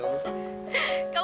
dan yang tanda ilmu